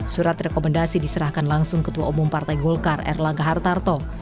surat rekomendasi diserahkan langsung ketua umum partai golkar erlangga hartarto